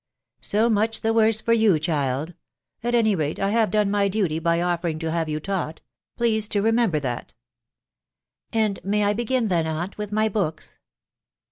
" So much the worse for you, child !.... At any rate, I have done my duty by offering to have you taught : please to remember that" " And may I begin then, aunt, with my books